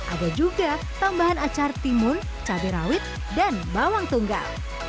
ada juga tambahan acar timun cabai rawit dan bawang tunggal